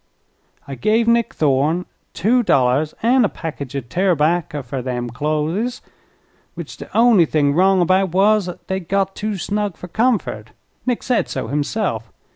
"I give Nick Thorne two dollars an' a packidge o' terbacker fer them clotlies, which the on'y thing wrong about was they'd got too snug fer comfert. Nick said so himself.